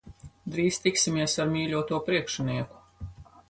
Drīz tiksimies ar mīļoto priekšnieku.